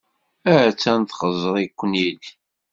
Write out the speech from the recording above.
Attan txeẓẓer-iken-id.